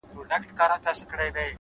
د تجربې درس اوږد اغېز لري،